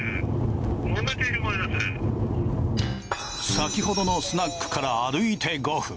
先程のスナックから歩いて５分。